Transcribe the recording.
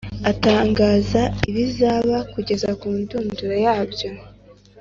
atangaza ibizaba kugeza ku ndunduro yabyo,